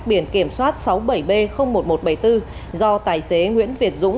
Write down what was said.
biển kiểm soát sáu mươi bảy b một nghìn một trăm bảy mươi bốn do tài xế nguyễn việt dũng